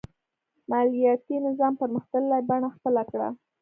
مالیاتي نظام پرمختللې بڼه خپله کړه.